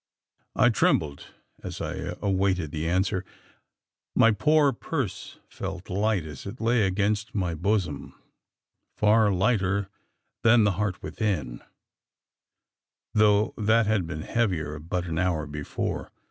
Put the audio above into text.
I trembled as I awaited the answer. My poor purse felt light as it lay against my bosom far lighter than the heart within: though that had been heavier but an hour before.